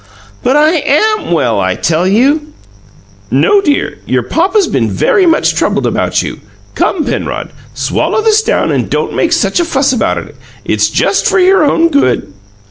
"But I AM well, I tell you!" "No, dear; your papa's been very much troubled about you. Come, Penrod; swallow this down and don't make such a fuss about it. It's just for your own good."